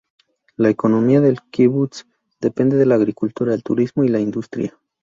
La economía del "kibutz" depende de la agricultura, el turismo, y la industria.